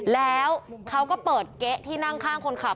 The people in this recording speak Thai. แล้วเขาก็เปิดเก๊ะที่นั่งข้างคนขับ